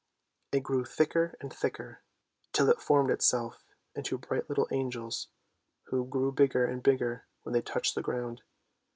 It grew thicker and thicker, till it formed itself into bright little angels who grew bigger and bigger when they touched the ground.